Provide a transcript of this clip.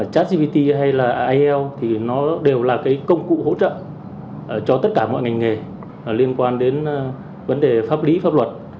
chat gbt hay là aiel thì nó đều là công cụ hỗ trợ cho tất cả mọi ngành nghề liên quan đến vấn đề pháp lý pháp luật